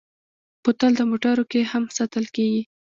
بوتل د موټرو کې هم ساتل کېږي.